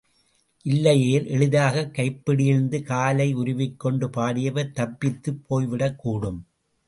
இல்லையேல், எளிதாக கைப்பிடியிலிருந்து காலை உருவிக்கொண்டு, பாடியவர் தப்பித்துப் போய்விடக் கூடும்.